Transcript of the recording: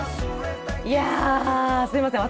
いやすいません